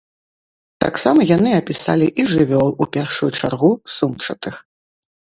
Таксама яны апісалі і жывёл, у першую чаргу сумчатых.